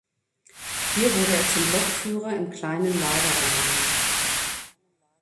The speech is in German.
Hier wurde er zum Blockführer im „Kleinen Lager“ ernannt.